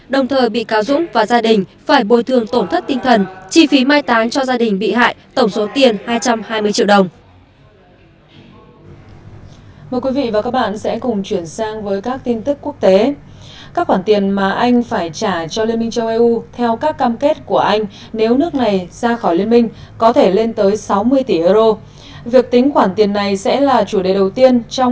đồng thời bị cáo dũng và gia đình phải bồi thường tổn thất tinh thần chi phí mai táng cho gia đình bị hại tổng số tiền hai trăm hai mươi triệu đồng